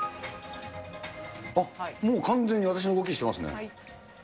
あっ、もう完全に私の動きしてますね。